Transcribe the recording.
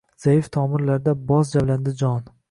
Zaif tomirlarda boz mavjlandi jon